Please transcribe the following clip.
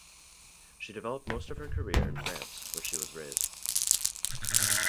She developed most of her career in France, where she was raised.